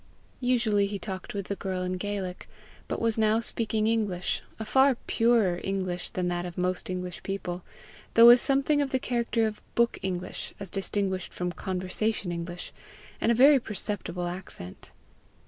Usually he talked with the girl in Gaelic, but was now speaking English, a far purer English than that of most English people, though with something of the character of book English as distinguished from conversation English, and a very perceptible accent.